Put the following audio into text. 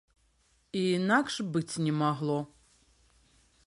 І інакш быць не магло.